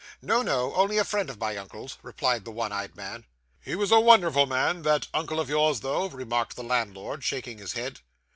'No, no; only a friend of my uncle's,' replied the one eyed man. 'He was a wonderful man, that uncle of yours, though,' remarked the landlord shaking his head.